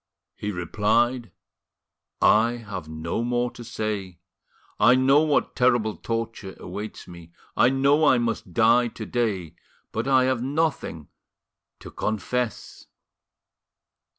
He replied: "I have no more to say. I know what terrible torture awaits me, I know I must die to day, but I have nothing to confess."